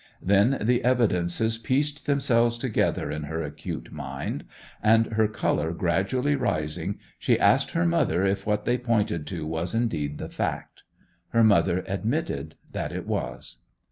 Then the evidences pieced themselves together in her acute mind, and, her colour gradually rising, she asked her mother if what they pointed to was indeed the fact. Her mother admitted that it was.